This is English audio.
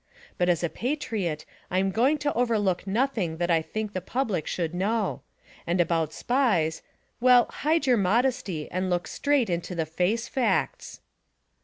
But as a patriot I am going to overlook nothing that I think the public should know; and about Spies— .well, hide your modesty and look straight into the face facts.